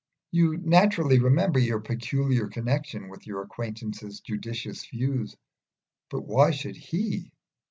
You naturally remember your peculiar connection with your acquaintance's judicious views; but why should he?